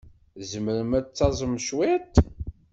Tzemrem ad taẓem cwiṭ?